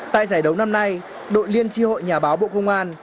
tại giải đấu năm nay đội liên tri hội nhà báo bộ công an